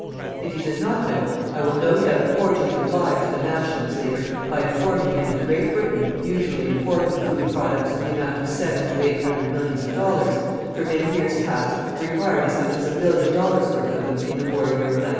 If he does not know, I will no doubt cordially oblige the "Nationalist" leader by informing him that Great Britain, usually importing food products to the amount of seven to eight hundred millions of dollars, for many years past, required as much as a billion dollars worth of them in the war year of 1915.